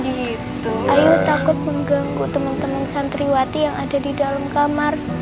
ayo takut mengganggu teman teman santriwati yang ada di dalam kamar